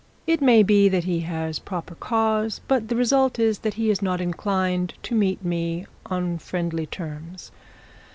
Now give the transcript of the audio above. It may be that he has proper cause, but the result is that he is not inclined to meet me on friendly terms.